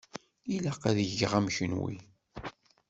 Ilaq ad geɣ am kunwi.